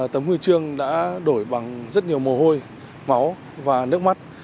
tấm huy chương đã đổi bằng rất nhiều mồ hôi máu và nước mắt